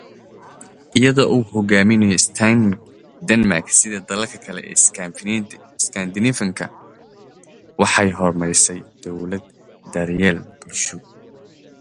Under Stauning's leadership Denmark, like the other Scandinavian countries, developed a social welfare state.